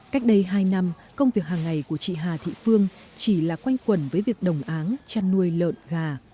cách đây hai năm công việc hàng ngày của chị hà thị phương chỉ là quanh quẩn với việc đồng áng chăn nuôi lợn gà